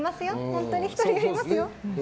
本当に人によりますよ。